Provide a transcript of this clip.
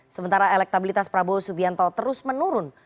sementara elektabilitas prabowo subianto terus menurun